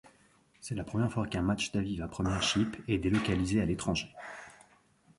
C'est la première fois qu'un match d'Aviva Premiership est délocalisé à l'étranger.